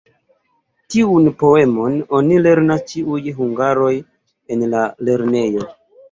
Tiun poemon oni lernas ĉiuj hungaroj en la lernejo.